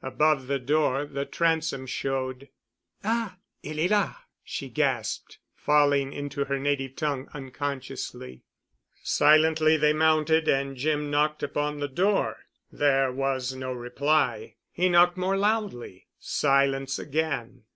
Above the door the transom showed. "Ah! Elle est là," she gasped, falling into her native tongue unconsciously. Silently they mounted and Jim knocked upon the door. There was no reply. He knocked more loudly. Silence again.